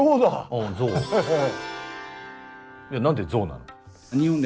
何でゾウなの？